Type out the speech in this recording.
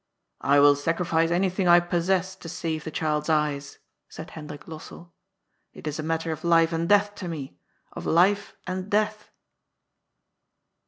*^ I will sacrifice anything I possess to save the child's eyes," said Hendrik Lossell. ^^ It is a matter of life and death to me — of life and death